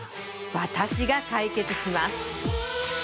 私が解決します